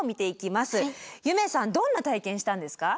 夢さんどんな体験したんですか？